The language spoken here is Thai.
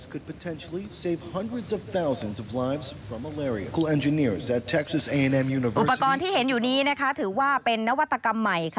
อุปกรณ์ที่เห็นอยู่นี้ถือว่าเป็นนวัตกรรมใหม่